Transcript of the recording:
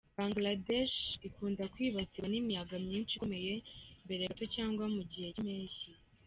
Bangladesh ikunda kwibasirwa n’imiyaga myinshi ikomeye mbere gato cyangwa mu gihe cy’impeshyi.